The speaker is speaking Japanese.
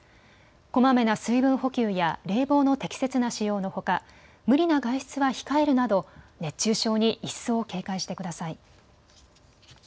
こまめな水分補給や冷房の適切な使用のほか、無理な外出は控えるなど熱中症に一層警戒してください。